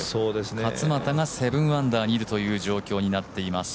勝俣が７アンダーにいるという状況になっています。